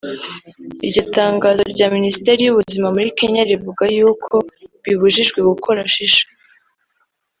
Iryo tangazo rya Minisiteri y’ubuzima muri Kenya rivuga yuko bibujijwe gukora Shisha